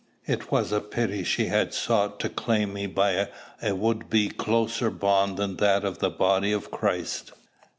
It was a pity she had sought to claim me by a would be closer bond than that of the body of Christ.